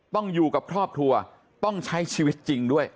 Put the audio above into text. ต้องอยู่กับครอบครัวต้องใช้ชีวิตจริงด้วย